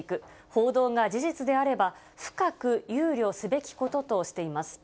報道が事実であれば、深く憂慮すべきこととしています。